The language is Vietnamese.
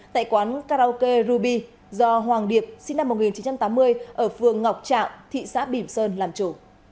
tại quán karaoke ruby do hoàng điệp sinh năm một nghìn chín trăm tám mươi ở phường ngọc trạng thị xã bỉm sơn làm chủ